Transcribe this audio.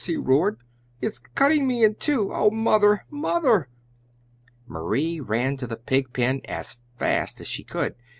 he roared. "It's cutting me in two! Oh, Mother! Mother!" Marie ran to the pigpen as fast as, she could go.